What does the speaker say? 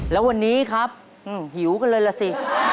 แล้ววันนี้ครับหิวกันเลยล่ะสิ